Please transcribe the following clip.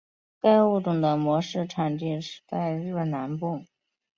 该物种的模式产地在日本南部。